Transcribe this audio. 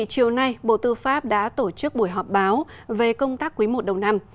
chiều nay bộ tư pháp đã tổ chức buổi họp báo về công tác quý i đầu năm